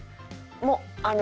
もうあの。